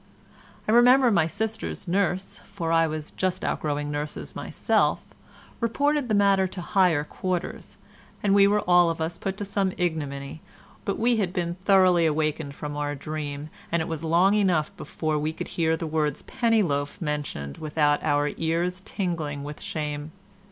I remember my sister's nurse, for I was just outgrowing nurses myself, reported the matter to higher quarters, and we were all of us put to some ignominy, but we had been thoroughly awakened from our dream, and it was long enough before we could hear the words "penny loaf" mentioned without our ears tingling with shame.